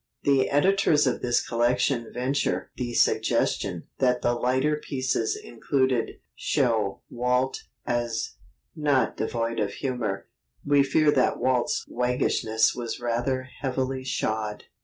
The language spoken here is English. The editors of this collection venture the suggestion that the lighter pieces included show Walt as "not devoid of humour." We fear that Walt's waggishness was rather heavily shod.